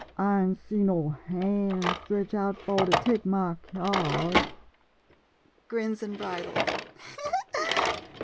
I ain J see no han' stretched out fo' to take ma cyard! Melindy [Grins and bridles.